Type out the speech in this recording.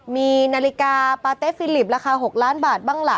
มีนาฬิกาปาเต๊ฟิลิปราคา๖ล้านบาทบ้างล่ะ